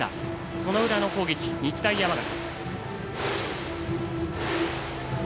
その裏の攻撃、日大山形。